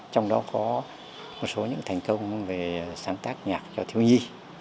trong đó có một số những thành công về sáng tác nhạc cho thiếu nhi